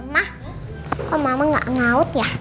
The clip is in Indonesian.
ma kok mama gak nyaut ya